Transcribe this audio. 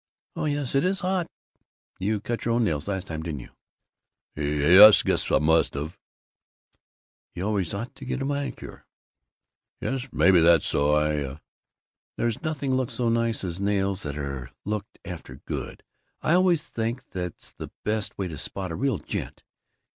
"Oh, yes, it is hot. You cut your own nails, last time, didn't you!" "Ye es, guess I must've." "You always ought to go to a manicure." "Yes, maybe that's so. I " "There's nothing looks so nice as nails that are looked after good. I always think that's the best way to spot a real gent.